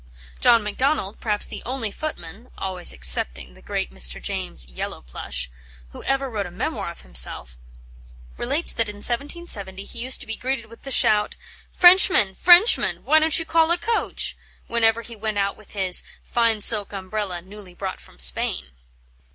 John Macdonald, perhaps the only footman (always excepting the great Mr. James Yellowplush) who ever wrote a memoir of himself, relates that in 1770, he used to be greeted with the shout, "Frenchman, Frenchman! why don't you call a coach?" whenever he went out with his "fine silk umbrella, newly brought from Spain."